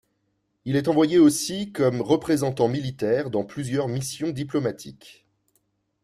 Il est envoyé aussi comme représentant militaire dans plusieurs missions diplomatiques.